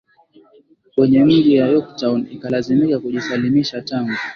kwenye mji wa Yorktown ikalazimika kujisalimisha Tangu